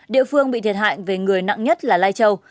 địa phương bị thiệt hại về người nặng nhất là lai châu